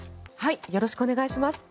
よろしくお願いします。